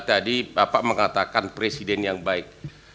tadi bapak mengatakan presiden yang baik